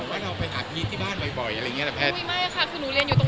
ไม่ได้แวะไปที่บ้านค่ะไม่ได้แวะไปที่ภาคบ้านก็เดินทาง